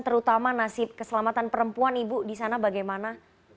terutama nasib keselamatan perempuan ibu di sana bagaimana